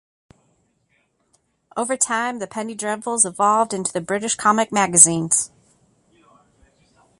Over time, the penny dreadfuls evolved into the British comic magazines.